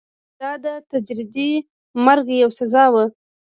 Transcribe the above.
دا د تدریجي مرګ یوه سزا وه.